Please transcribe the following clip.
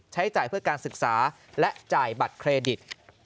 ใช้จ่ายเพื่อการศึกษาและจ่ายบัตรเครดิต